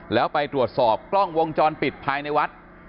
แล้วไปตรวจสอบกล้องวงจรปิดภายในวัด